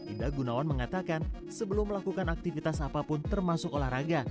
ida gunawan mengatakan sebelum melakukan aktivitas apapun termasuk olahraga